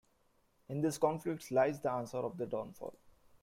In these conflicts lies the answer of their downfall.